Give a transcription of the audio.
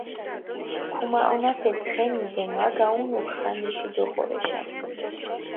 ქუმაჸონაფე ცხენი დო მა გაჸუნუქ ხანიში დოხორეშა.